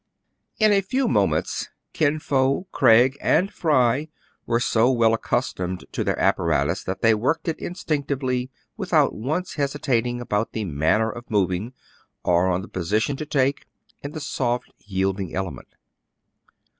In a few moments Kin Fo, Craig, and Fry were so well accustomed to their apparatus, that they worked it instinctively without once hesitating about the manner of moving, or on the position to take, in the soft, yielding element.